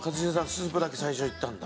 スープだけ最初いったんだ。